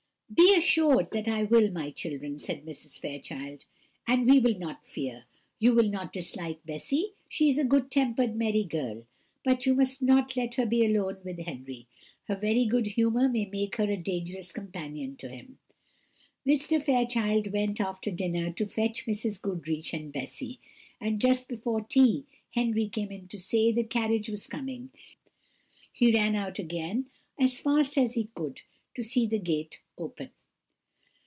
"Be assured that I will, my children," said Mrs. Fairchild; "and we will not fear. You will not dislike Bessy she is a good tempered, merry girl; but you must not let her be alone with Henry: her very good humour may make her a dangerous companion to him." Mr. Fairchild went, after dinner, to fetch Mrs. Goodriche and Bessy; and just before tea Henry came in to say the carriage was coming. He ran out again as fast as he could to set the gate open.